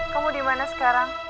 kamu dimana sekarang